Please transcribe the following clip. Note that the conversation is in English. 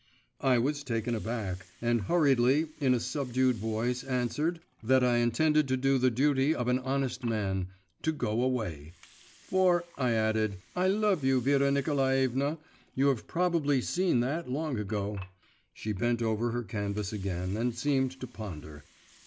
I was taken aback, and hurriedly, in a subdued voice, answered, that I intended to do the duty of an honest man to go away, 'for,' I added, 'I love you, Vera Nikolaevna, you have probably seen that long ago.' She bent over her canvas again and seemed to ponder.